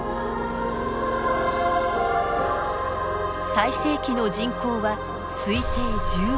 最盛期の人口は推定１０万。